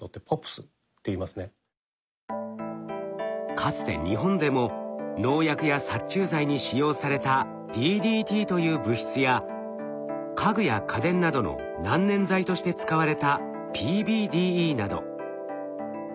かつて日本でも農薬や殺虫剤に使用されたＤＤＴという物質や家具や家電などの難燃剤として使われたＰＢＤＥなど。